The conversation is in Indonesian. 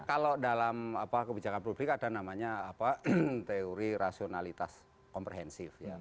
kalau dalam kebijakan publik ada namanya teori rasionalitas komprehensif ya